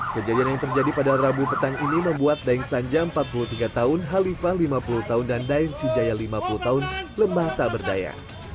kejadian yang terjadi pada rabu petang ini membuat daeng sanja empat puluh tiga tahun halifa lima puluh tahun dan daeng sijaya lima puluh tahun lemah tak berdaya